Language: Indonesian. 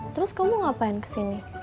terus kamu ngapain kesini